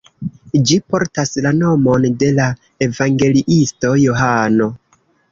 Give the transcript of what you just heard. Ĝi portas la nomon de la evangeliisto Johano.